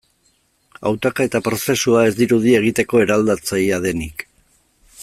Hautaketa prozesua ez dirudi egiteko eraldatzailea denik.